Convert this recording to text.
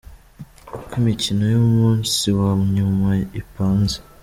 Uko imikino y’umunsi wa nyuma ipanze:.